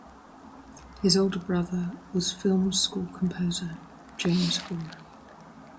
His older brother was film score composer James Horner.